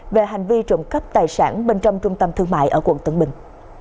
về hành vi trộm cắp tài sản bên trong trung tâm thương mại ở quận tân bình